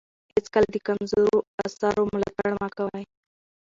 هېڅکله د کمزورو اثارو ملاتړ مه کوئ.